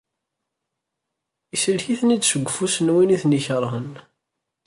Isellek-iten-id seg ufus n win i ten-ikerhen.